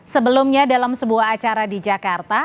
sebelumnya dalam sebuah acara di jakarta